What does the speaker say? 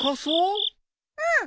うん。